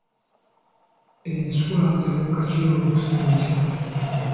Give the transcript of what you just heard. Enswa zibuuka kiro okusinga emisana.